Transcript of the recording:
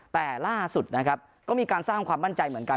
แต่ล่าสุดนะครับก็มีการสร้างความมั่นใจเหมือนกัน